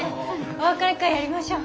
お別れ会やりましょう。